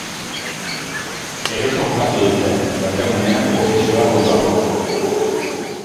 Eroso jokatu dute, berdegunean posizioak ondo hartuta.